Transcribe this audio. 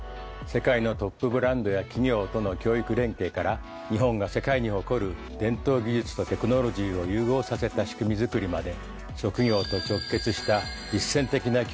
世界のトップブランドや企業との教育連携から日本が世界に誇る伝統技術とテクノロジーを融合させた仕組みづくりまで。